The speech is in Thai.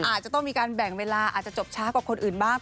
อาจจะต้องมีการแบ่งเวลาอาจจะจบช้ากว่าคนอื่นบ้าง